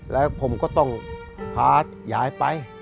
แล้วผมก็ต้องพายายไป